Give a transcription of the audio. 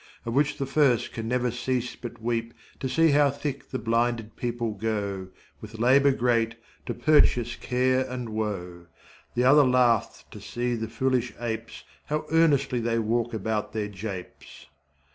Of which the first can never cease but weep To see how thick21 the blinded people go, With labour great, to purchase care and woe. That other laugh'th to see the foolish apes How earnestly they walk about their japes.